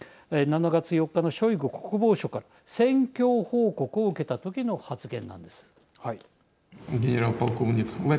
７月４日のショイグ国防相から戦況報告を受けたときのはい。